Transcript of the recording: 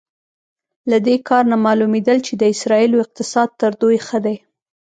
له دې کار نه معلومېدل چې د اسرائیلو اقتصاد تر دوی ښه دی.